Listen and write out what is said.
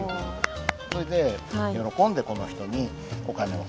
それで喜んでこの人にお金を貸してあげた。